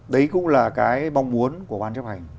đấy cũng là cái mong muốn của ban chấp hành